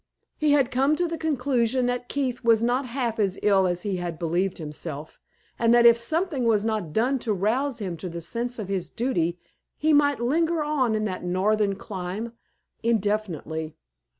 He had come to the conclusion that Keith was not half as ill as he had believed himself, and that if something was not done to rouse him to a sense of his duty he might linger on in that northern clime indefinitely.